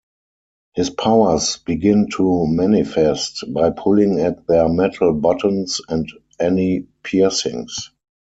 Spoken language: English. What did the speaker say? His powers begin to manifest by pulling at their metal buttons and any piercings.